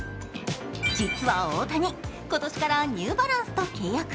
実は大谷、今年からニューバランスと契約。